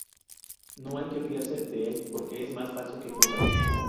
No hay que fiarse de él porque es más falso que Judas